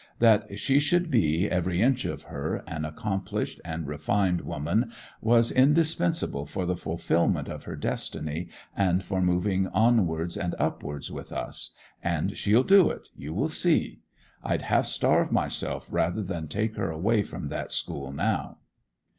That she should be, every inch of her, an accomplished and refined woman, was indispensable for the fulfilment of her destiny, and for moving onwards and upwards with us; and she'll do it, you will see. I'd half starve myself rather than take her away from that school now.